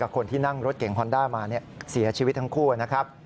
คนที่นั่งรถเก่งฮอนด้ามาเสียชีวิตทั้งคู่นะครับ